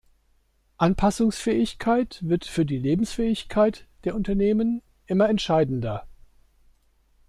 Anpassungsfähigkeit wird für die Lebensfähigkeit der Unternehmen immer entscheidender.